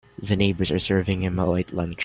The neighbors are serving him a light lunch.